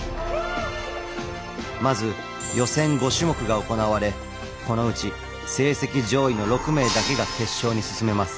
まず予選５種目が行われこのうち成績上位の６名だけが決勝に進めます。